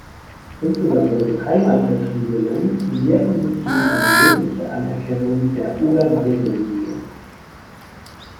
Insbesondere die Heimatvertriebenen wehrten sich gegen eine mögliche Anerkennung der Oder-Neiße-Linie.